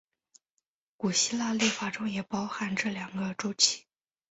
古希腊历法中也包含这两个周期。